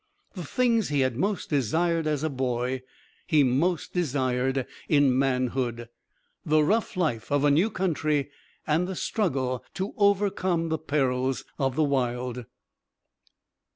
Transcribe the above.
The things he had most desired as a boy he most desired in manhood, the rough life of a new country and the struggle to overcome the perils of the wild.